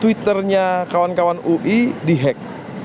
twitternya kawan kawan ui dihack